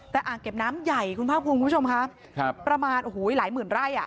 แต่อ่างเก็บน้ำใหญ่คุณภาพรู้สึกที่คุณผู้ชมค่ะประมาณหลายหมื่นไร่